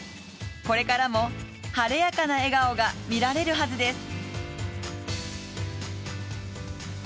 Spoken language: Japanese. これからも、晴れやかな笑顔が見られるはずです。